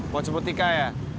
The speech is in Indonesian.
mau cebut tika ya